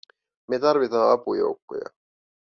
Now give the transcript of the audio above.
"Me tarvitaa apujoukkoja!"